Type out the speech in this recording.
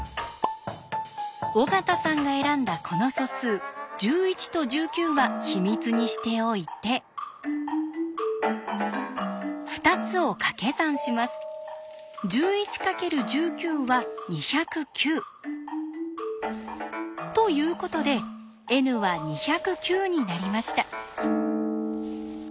尾形さんが選んだこの素数１１と１９は秘密にしておいて２つをかけ算します。ということでＮは２０９になりました。